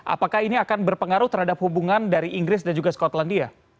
apakah ini akan berpengaruh terhadap hubungan dari inggris dan juga skotlandia